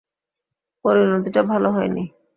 পরিণতিটা ভালো হয়নি।